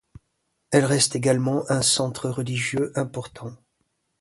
Elle reste également un centre religieux important.